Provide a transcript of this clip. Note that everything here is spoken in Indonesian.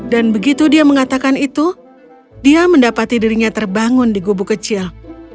dan begitu dia mengatakan itu dia mendapati dirinya terbangun di gubu kecil